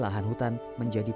but the fact that lil kek duduk ya